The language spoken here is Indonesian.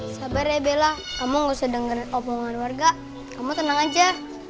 sabar ya bella kamu gak usah denger omongan warga kamu tenang aja